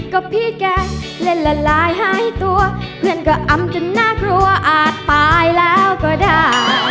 ก็พี่แกเล่นละลายหายตัวเพื่อนก็อำจนน่ากลัวอาจตายแล้วก็ได้